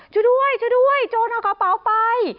ช่วยด้วยช่วยด้วยโจรเอากระเป๋าไป